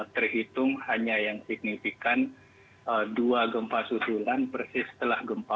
terhitung hanya yang signifikan dua gempa susulan persis setelah gempa